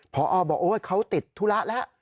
พอเบาเศรษฐ์ก็ติดทุระและ